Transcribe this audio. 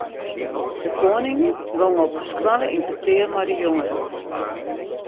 De koaning gong op de skoalle yn petear mei de jongeren.